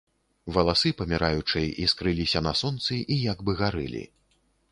Валасы паміраючай іскрыліся на сонцы і як бы гарэлі.